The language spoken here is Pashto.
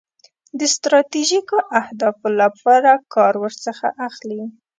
د ستراتیژیکو اهدافو لپاره کار ورڅخه اخلي.